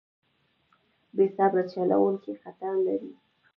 بې صبره چلوونکی خطر لري.